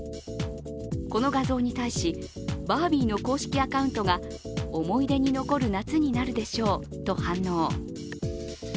この画像に対し、「バービー」の公式アカウントが思い出に残る夏になるでしょうと反応。